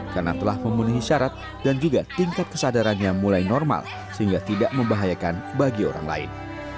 karena telah memenuhi syarat dan juga tingkat kesadarannya mulai normal sehingga tidak membahayakan bagi orang lain